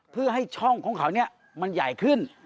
เพื่อให้ช่องของเขามันใหญ่ขึ้น